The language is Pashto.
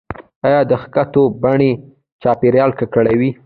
آیا د خښتو بټۍ چاپیریال ککړوي؟